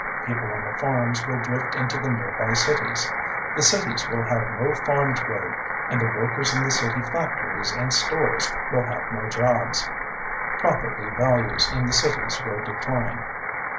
People on the farms will drift into the nearby cities; the cities will have no farm trade and the workers in the city factories and stores will have no jobs. Property values in the cities will decline.